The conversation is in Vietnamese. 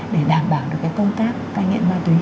để đảm bảo được cái công tác ca nhiễm bắt buộc